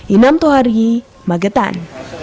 inam tohari magetan